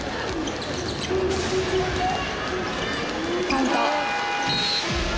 カウント。